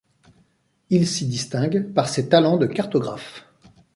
Il s'y distingue par ses talents de cartographe.